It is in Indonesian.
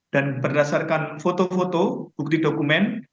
dan berdasarkan foto foto bukti dokumen